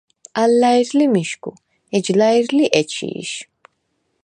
ალ ლა̈ირ ლი მიშგუ, ეჯ ლა̈ირ ლი ეჩი̄შ.